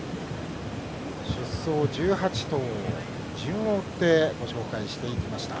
出走１８頭、順を追ってご紹介していきました。